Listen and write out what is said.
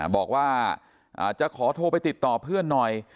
บอกว่าจะขอโทรไปติดต่อเพื่อนหน่อย